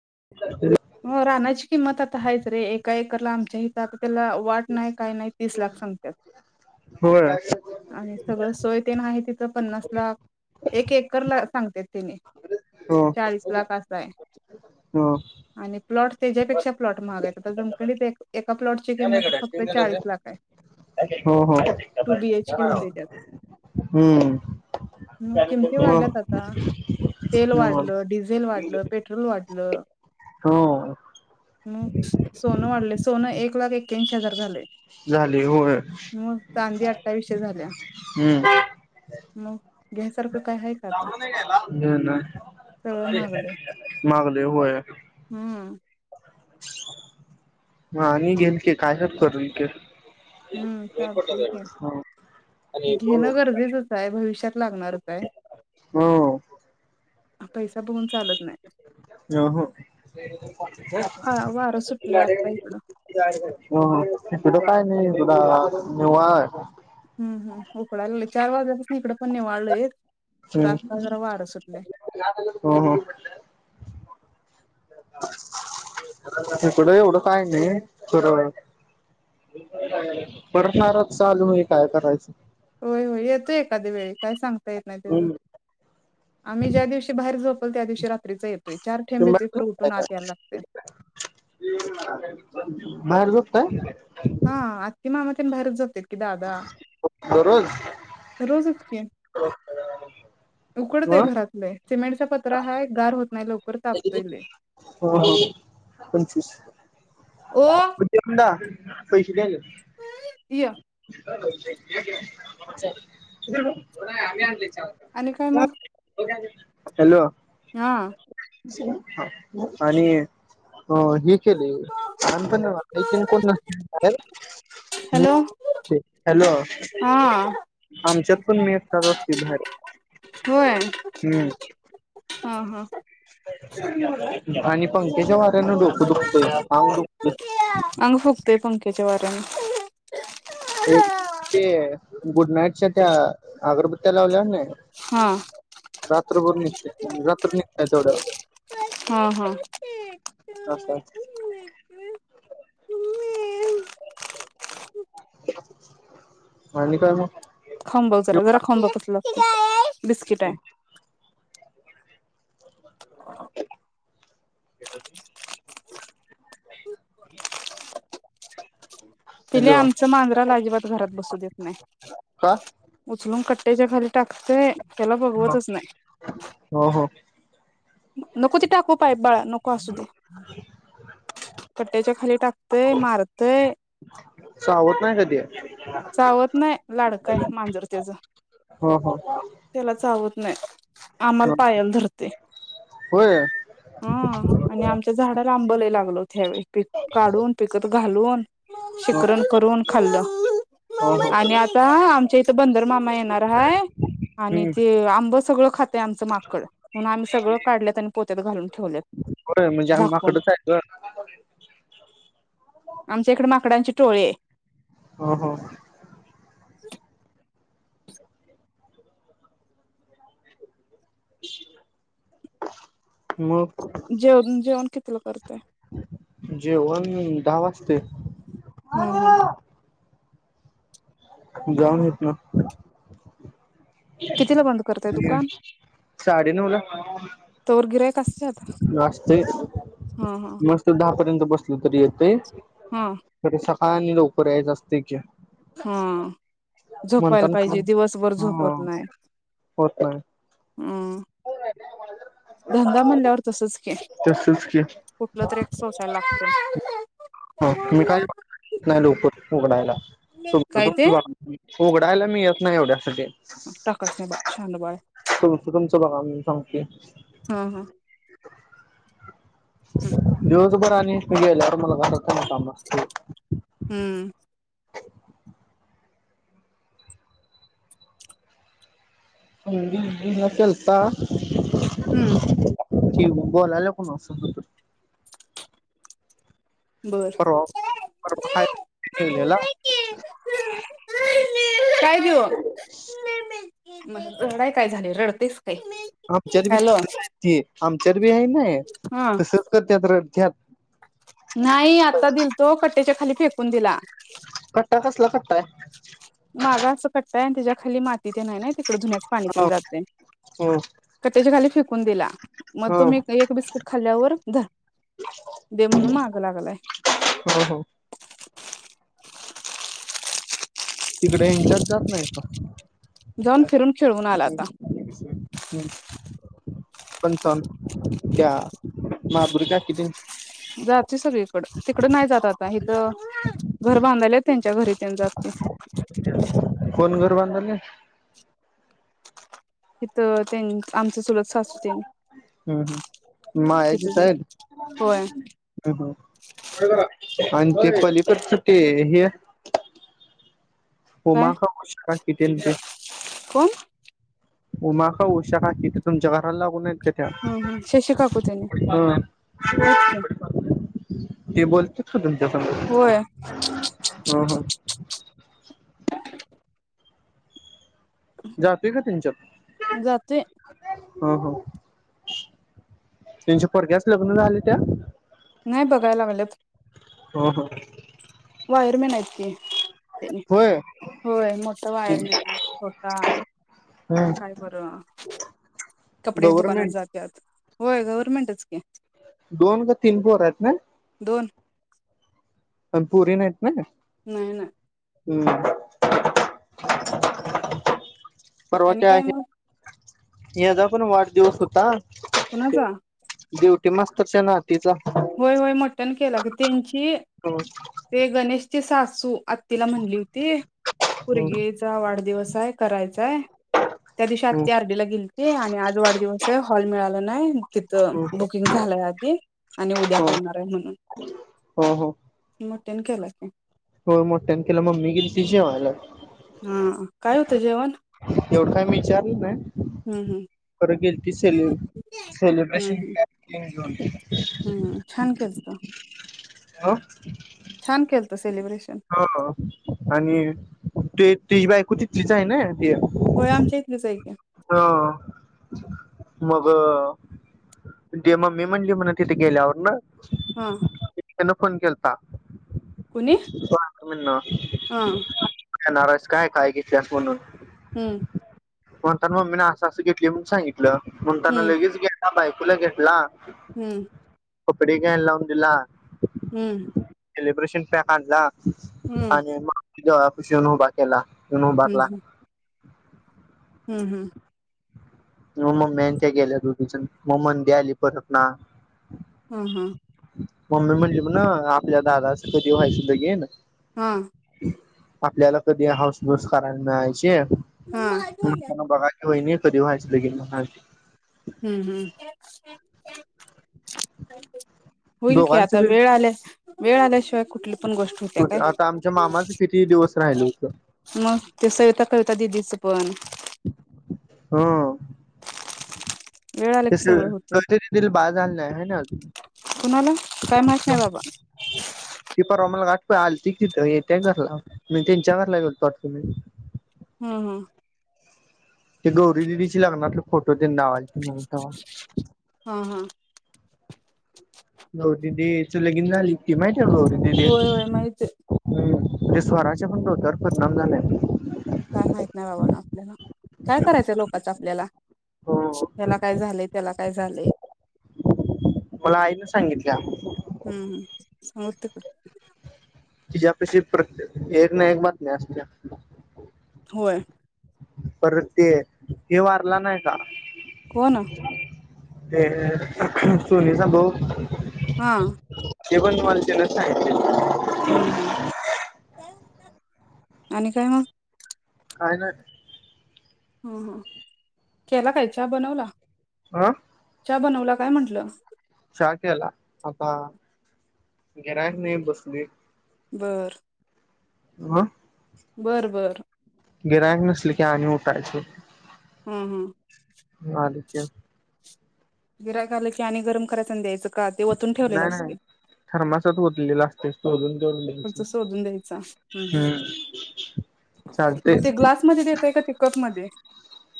[unintelligible] हो रानाचि किम्मत आता हायेच रे एका एकरला आमच्या हीत आता त्याला वाट नाही काय नाही तीस लाख सांगत्यात होय आणि सगळं सोय तेन आहे तिथं पन्नास लाख एक एकर ला सांगतेत त्याने हो हो चाळीस लाख असाय आणि प्लॉट त्याच्यापेक्षा प्लॉट महागायत आता जमखंडीत एक एका प्लॉटची किंमत फक्त चाळीस लाख आहे हो हो. ते होतय त्यात हम्म म किमती हो हो वाढल्यात आता तेल वाढल, डीझेल वाढल, पेट्रोल वा लं हो म सोनं वाढलेच सोनं एक लाख एक्याऐंशी हजार झालय झालंय होय. अठ्ठावीसशे झाल्या हम्म मग घ्यायसारख काही आहे का आता सगळं महागलंय [unintelligible] मागलय होय. हम्म ह आणि [unintelligible] काय तर करून ते हम्म चालतय की, हो घेण गरजेचच हाय भविष्यात लागणारच हाय. हो पैसा बघून चालत नाही हो [unintelligible] हा वारं सुटलंय आत्ता इकडं. पुढं काय नाय बघा, निवां हंम्म उकडायलाल चार वाजेपासन इकड पण निवाळलय [unintelligible] इकडं एवढं काय नाही थोडय परत चालुये, काय करायच? होय होय येतोय एखादी वेळ काय सांगता येत नई त्याच हम्म आम्ही ज्या दिवशी बाहेर झोपतो त्या दिवशी रात्रीच एक चार थेंब येतय तुम्ही परत उठून आत यायला लागतय बाहेर झोपताय हंम्म आत्या-मामा तुंम्ही बाहेरच झोपताय दादा रोजचे हो [inaudible] उकडते घरात लय सिमेंटचा पत्रा हाय गार होत नाही लवकर वर तापतोय लय हो हो कंजूस ओ पैसे द्याल्यात [inaudible] बच [unintelligible] आम्ही आणली आणि काय मग? हॅलो हा आणि अ हे केले [unintelligible] काक कोण नसहे म हॅलो हॅलो हा आमच्यात [unintelligible] पण मी आता बसती बाहेर होय हम्म ह हा आणि पंख्याजा वाऱ्यान डोकं दुखतय [unintelligible] अंग फुकते पंख्याच्या वाऱ्यान ते गुड नाईटच्या त्या अगरबत्त्या लावल्याना हा रात्रभर निघते रात्र निघतय तेवढ्या हा हा [unintelligible] आणि काय मग खाऊन बघ जरा जरा खाऊन कसं लागतय बिस्किट आहे [inaudible] [unintelligible] [unintelligible] पिल्ल्या हॅलो आमच मांजरा ला अजिबात घरात बसू देत नाही का? उचलून कट त्यांच्या खाली टाकतय त्याला बघवतच नाही हो हो नको ते टाकू पाय बाळा नको असूदे पट्याच्या खाली टाकतय मारतय चावत नाही का ते? चावत नाही लाड काय मांजर त्याचं हा हा त्याला चावत नाही आम्हाला पायल धरतय होय. हा आणि आमच्या झाडाला आंब लय लागलत ह्यावेळी पीक काढून पिकतं घालून हो शिकरण करून खाल्लं हो हो आणि हम्म आता आमच्या इथ बंदर मामा येणार हाय आणि ते आंब सगळं खात ते आमच माकड म्हणून आम्ही सगळ काढलेत आणि पोत्यात घालून ठेवलेत होय म्हणजे आम्ही झाकून माकडच आहे गं. आमच्या इकडे माकडांची टोळी आहे. हो हो [unintelligible] मग जेवण जेवण कितीला करताय? जेवण दहा वाजता? ह ह [unintelligible] जाऊन हितंन कितीला बंद करताय दुकान साडेनऊ ला तवर गिऱ्हाईक असत्यात असतय हा हा मस्त दहा पर्यंत बसलं तरी येते हां आणि लवकर आहे जायच असतय की हामं झोपायला म्हणताना पण पाहिजे दिवसभर हा झोपत नाही होत नाही नाही धंदा म्हणल्यावर तसं [unintelligible] तसच की कुठलं तरी एक सोसायला लागतय हो मी काय [unintelligible] नाही लवकर उघडायला काय ते [unintelligible] उघडायला मी येत नाही एवढ्यासाठी टाकायच नाही बाळ शहाणं बाळ आहे [unintelligible] बघा मी सांगतोय हा हा [inaudible] [unintelligible] [unintelligible] गेल्यावर [unintelligible] काय काम असयत? हम्म केलता हम्म बोलायला कोण अस बर. परवा परवा फाय ठेवलेला म्हण रडाय काय झाली रडतेस काय? आमच्यात बी हॅलो तसेच आहे ते आमच्यातबी आहे ना हा तसच करत्यात रड त्यात नाही आता दिलतो कट्ट्याच्या खाली फेकून दिला कट्टा [inaudible] मागा अस कट्टा आहे त्याच्या खाली माती धुण्याचे पाणी ते पण हा जात य ह कट्ट्याच्या खाली फेकू फेकून दिला मग ह तुम्ही ह एक बिस्किट खाल्ल्यावर धर दे म्हणून माग लागलाय ह तिकडे त्यांच्यात जात नाही का जाऊन फिरून खेळवून आला आता पंच त्या माधुरी काकी तेंच जाते सगळीकड तिकड नाही जात आता हिथं घर बांधायला त्यांच्या घरी जाते. बांधालय? तिथं त्यांच्या आम ह् ह् मायाचीच तिथं आहे होय आणि ते पलीकड च ते हे उमा काय काकु किती इंच? कोण? उमा काय उषा काकि थे तुमच्या घरा लागून त्या हम् हम शशी काकू त्याने हा आहेत की ते बोलतात? ह. होय हा जातोय का त्यांच्यात जातोय हा हा त्यांच्या पोरग्याच लग्न झाले त्या नाही बघाय लागल्यात ह हा वायरमेन आहेत ते होय होय मोठ वायरमेन छोटा काय बरं कपड्याच्या दुकानात गव्हर्मेंट जात्यात होय गव्हर्नमेंटच की दोन का तीन पोर आहेत ना दोन पण पोरी नाहीत ना का नाही ना हूं परवा आणि त्या काय मग याचा पण वाढदिवस होता. कुणाचा? ड्युटी मास्तरच्या नात होय होय मोठ्यानं केला की त्यांची हम्म ते ते गणेश चि सासू आत्तीला म्हणली होती हम्म पुरगीचा वाढदिवस काय करायचं काय त्या दिवशी हम्म आती आर बी ला गेलती आणि आज वाढदिवस आहे. हॉल मिळाला नाही. तिथं हम्म बुकिंग झालंय आधी उद्या हो करणार आहे म्हणून हो मोठ्याने केलाय की हो मोठ्यान केल मम्मी गेलती जेवायला हा काय होत जेवण एवढं काय मी विचारलं हूं हूं सेल सेलिब्रेशन [unintelligible] [inaudible] हूं छान केलत [inaudible] छान केलत स हा आणि ते तिजी बायको तिथलीच हाय ना [unintelligible] होय आमच्या इथलीच आहे की हा मग तेे मम्मी म्हणली म्हण तिथे गेल्यावर ना. हा त्यान फोन केलता. कुणी हा [unintelligible] येणार हायस काय, काय घेतल्यास म्हणून. हम्म [unintelligible] तर मम्मी न अस असं घेतल म्हणून सांगितली. म्हणताना हम्म लगेच, ह बायकोला घेतला. हम्म कपडे घ्यायला लावून दिला. हम्म सेलिब्रेशन पॅक आणला. हम्म आणि मग, दारापाशी आणून उभा केला. हम्म हम्म [unintelligible] हम्म हम्म मग मम्मी ते गेल्या दोघीजण मग [unintelligible] आली परत ना. हम्म हम्म मम्मी म्हणली म न आपल्या दादाच कधी व्हायच लगीन. हा, आपल्याला कधी हौसमौस करायला मिळायची. हा हम्म [unintelligible] [unintelligible] [unintelligible] हम्म हम्म होईल की दोघांचं आता बी वेळ आले. वेळ आल्याशिवाय कुठली पण गोष्ट होत्या काय, आता आमच्या मामाच किती दिवस राहिल होतं मग सविता, कविता त्या दिदीच पण, हो. वेळ आलं की सगळं होते [unintelligible] बाळ झाल नाही ना होय ना अजून कुणाला काय माहित नाही बाबा ते परवा [unintelligible] आलती तिथ येत्या घरला मी त्यांच्या घरला [unintelligible] हम्म हम्म ते गौरी दिदीच्या लग्नातल फोटो तेन लावायचं, [unintelligible] हा हा [unintelligible] गौरी दीदींच लगीन झाल की नीट, होय होय माहित [inaudible] त्या स्वराच्या पण डोक्यावर परिणाम झालाय काय माहित नाही बाबांना आपल्याला काय करायचय लोकाच आपल्याला हो ह्यला काय झालय त्याला काय झालय मला आईन सांगितल्या हम्म [inaudible] तीझ्या कशी प्रेत एक ना एक बातम्या असत्या होय पर ते हे वारला नाय का? कोण? हे सोनीचा भाऊ हा ते पण मला तीनच सांगितल हूं हूं आणि काय म काय नाय हो हो केला काय च्या बनवला हा च्या बनवला काय म्हटलं च्या केला आता गिरायक नाई बसलोय बरं हूं बरं बरं गिरायक नसले की आणि उठायचो हूं हूं मालिक्या गिर्‍हाईक आले की आणि गरम करायच आणि द्यायचं का ते वतून ठेवलेलं नाय नाय असते थर्मासात वतलेल अस तेच त अजून पुढच शोधून द्यायचा हूं हूं हम्म म चालते ते ग्लासमध्ये देताय का ते कप मध्ये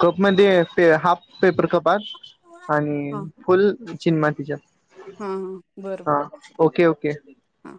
कप मध्ये हाफ पेपर कपात आणि हा फुल चिनीमातीच्या हा हा बरं हा बरं ओके ओके हा.